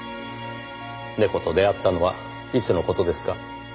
猫と出会ったのはいつの事ですか？